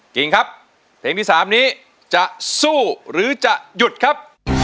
กิ่งครับเพลงที่๓นี้จะสู้หรือจะหยุดครับ